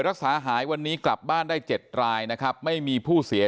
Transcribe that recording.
รักษาหายวันนี้กลับบ้านได้๗รายนะครับไม่มีผู้เสีย